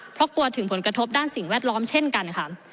เพราะกลัวถึงผลกระทบด้านสิ่งแวดล้อมเช่นกันนะคะ